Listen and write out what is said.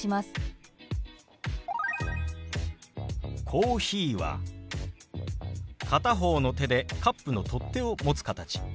「コーヒー」は片方の手でカップの取っ手を持つ形。